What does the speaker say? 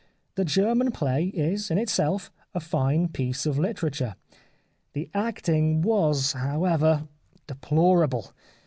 The German play is in itself a fine piece of literature. The acting was, however, deplorable.